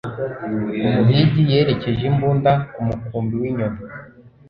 Umuhigi yerekeje imbunda ku mukumbi w'inyoni.